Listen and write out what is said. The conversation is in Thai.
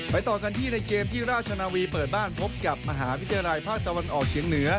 ต่อกันที่ในเกมที่ราชนาวีเปิดบ้านพบกับมหาวิทยาลัยภาคตะวันออกเฉียงเหนือ